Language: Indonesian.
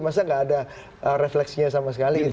maksudnya nggak ada refleksinya sama sekali